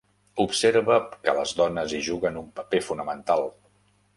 Observa que les dones hi juguen un paper fonamental.